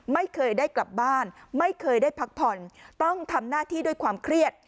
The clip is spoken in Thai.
ไม่เคยได้กลับบ้านไม่เคยได้พักผ่อนต้องทำหน้าที่ด้วยความเครียด